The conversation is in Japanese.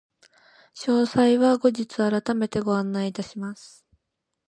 詳細は後日改めてご案内いたします。